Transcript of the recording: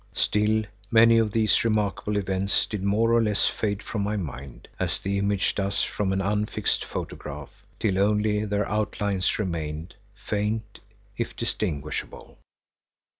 Still, many of these remarkable events did more or less fade from my mind, as the image does from an unfixed photograph, till only their outlines remained, faint if distinguishable.